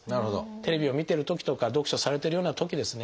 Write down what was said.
テレビを見てるときとか読書されてるようなときですね